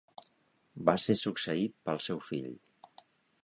Va ser succeït pel seu fill.